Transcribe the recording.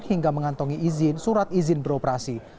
hingga mengantongi izin surat izin beroperasi